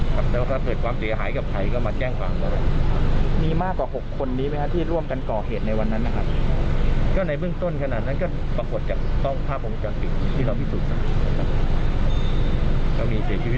แต่ว่าถ้ามีชีวิตมากขึ้นขนาดนั้นก็ประควดต้องท่าผงกันอย่างที่เราพิสูจน์กัน